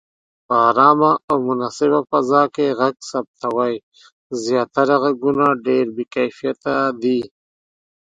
په آرامه او مناسبه فضا کې غږ ثبتوئ. زياتره غږونه ډېر بې کیفیته دي.